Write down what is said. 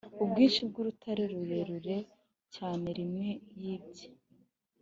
ubwinshi bwurutare, rurerure cyane rime yibye,